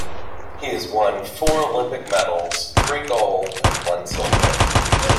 He has won four Olympic medals, three gold and one silver.